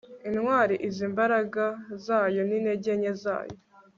intwali izi imbaraga zayo n'intege nke zayo